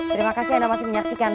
terima kasih anda masih menyaksikan